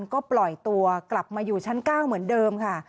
ก็ปล่อยตัวกลับมาอยู่ชั้น๙เหมือนเดิมค่ะ